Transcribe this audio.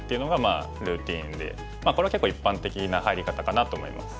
これは結構一般的な入り方かなと思います。